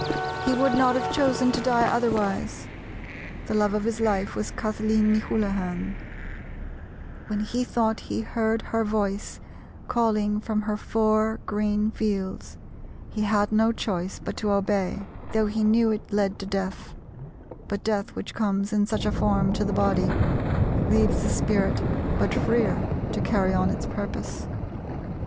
He would not have chosen to die otherwise, the love of his life was Kathleen ni Houlihan; when he thought he heard her voice calling from her four green fields he had no choice but to obey, though he knew it led to death; but death which comes in such a form to the body leaves the spirit but freer to carry on its purpose.